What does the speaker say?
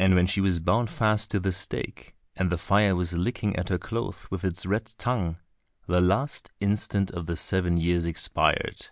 And when she was bound fast to the stake, and the fire was licking at her clothes with its red tongue, the last instant of the seven years expired.